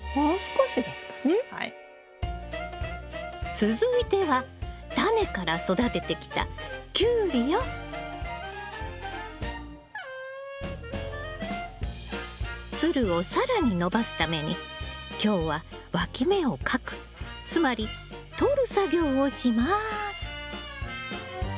続いてはタネから育ててきたつるを更に伸ばすために今日はわき芽をかくつまりとる作業をします。